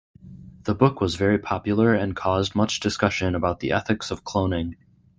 The book was very popular and caused much discussion about the ethics of cloning.